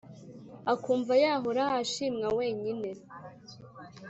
akumva yahora ashimwa wenyine,